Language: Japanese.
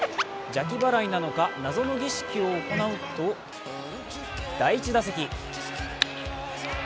邪気払いなのか、謎の儀式を行うと第１打席。